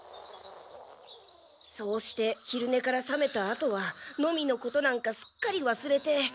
そうして昼ねから覚めたあとはノミのことなんかすっかりわすれて。